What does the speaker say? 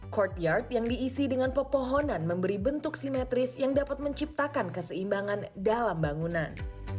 courtyard yang diisi dengan pepohonan memberi bentuk simetris yang dapat menciptakan keseimbangan dalam bangunan